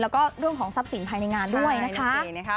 แล้วก็เรื่องของทรัพย์สินภายในงานด้วยนะคะ